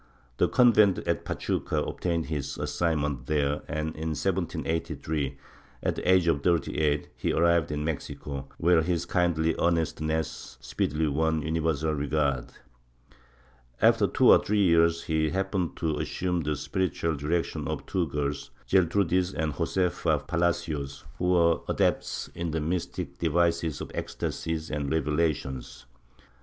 The convent at Pachuca obtained his assignment there and in 1783, at the age of 38, he arrived in Mexico, where his kindly earnestness speedily won universal regard. After two or three years he happened to assume the spiritual direction of two girls, Gertrudis and Josefa Palacios, who were adepts in the mystic devices of ecstasies and revelations.